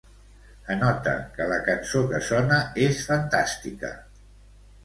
Anota que la cançó que sona és fantàstica.